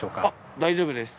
大丈夫です。